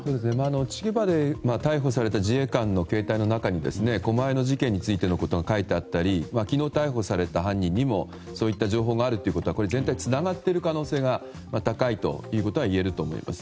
千葉で逮捕された自衛官の携帯の中に狛江の事件についてのことが書いてあったり昨日逮捕された犯人にもそういった情報があるということはそういった情報がつながっている高いということがいえると思います。